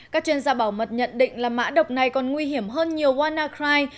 các chuyên gia bảo mật nhận định là mã độc này còn nguy hiểm hơn nhiều wanacry